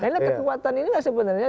nah ini kekuatan ini nggak sebenarnya